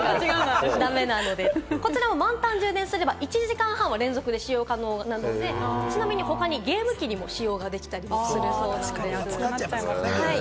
こちらも満タン充電すれば１時間半は連続で使用が可能なので、ちなみに他にもゲーム機にも使用できたりするそうです。